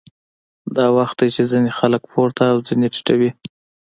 دا وخت دی چې ځینې خلک پورته او ځینې ټیټوي